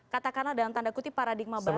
katakanlah dalam tanda kutip paradigma baru